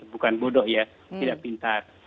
bukan bodoh ya tidak pintar